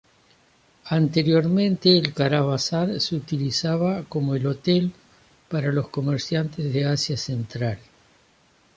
Anteriormente el caravasar se utilizaba como el hotel para los comerciantes de Asia Central.